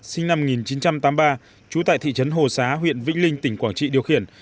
sinh năm một nghìn chín trăm tám mươi ba trú tại thị trấn hồ xá huyện vĩnh linh tỉnh quảng trị điều khiển